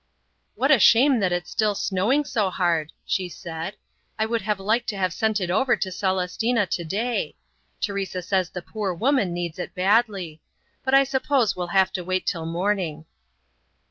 "What a shame that it's still snowing so hard," she said, "I would have liked to have sent it over to Celestina today. Teresa says the poor woman needs it badly. But I suppose we'll have to wait till morning."